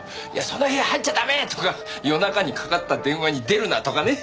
その部屋入っちゃ駄目ー！とか夜中にかかった電話に出るな！とかね。